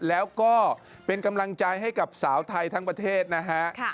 แล้วก็เป็นกำลังใจให้กับสาวไทยทั้งประเทศนะฮะ